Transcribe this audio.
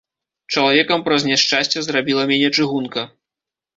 Чалавекам праз няшчасце зрабіла мяне чыгунка.